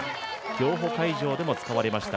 競歩会場でも使われました。